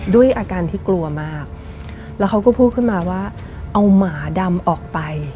ด้วยอาการที่กลัวมากแล้วเขาก็พูดขึ้นมาว่าเอาหมาดำออกไป